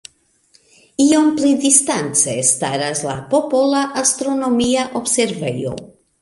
Iom pli distance staras la Popola astronomia observejo.